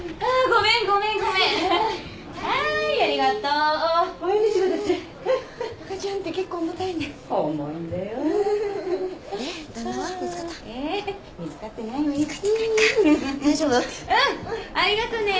うん。ありがとね。